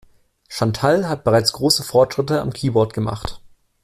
Chantal hat bereits große Fortschritte am Keyboard gemacht.